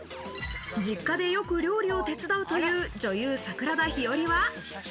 実家でよく料理を手伝うという女優・桜田ひよりは。